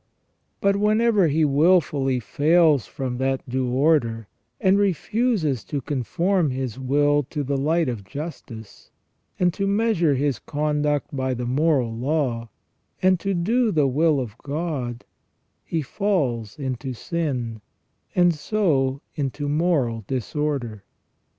But whenever he wilfully fails from that due order, and refuses to conform his will to the light of justice, and to measure his conduct by the moral law, and to do the will of God, he falls into sin and so into moral disorder.